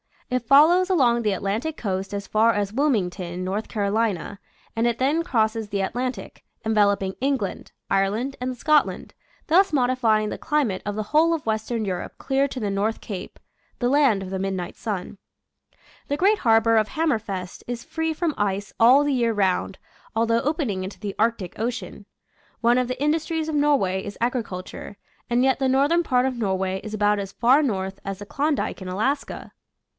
It follows along the Atlantic coast as far as Wilmington, N C, and it then crosses the Atlantic, enveloping England, Ireland, and Scotland, thus modifying the climate of the whole of western Europe clear to the North Cape — the land of the midnight sun. The great harbor of Hammerfest is free from ice all the year round, although open ing into the Arctic Ocean. One of the indus tries of Norway is agriculture, and yet the northern part of Norway is about as far north as the Klondike in Alaska.